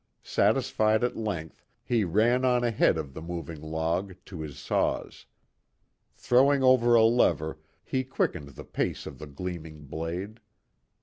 Satisfied at length, he ran on ahead of the moving log to his saws. Throwing over a lever, he quickened the pace of the gleaming blade.